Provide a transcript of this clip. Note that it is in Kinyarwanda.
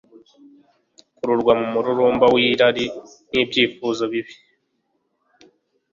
bukurwa mu mururumba wirari nibyifuzo bibi